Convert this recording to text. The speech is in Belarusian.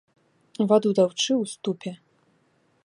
Ваду таўчы ў ступе.